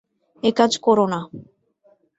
একাজ কোরো না।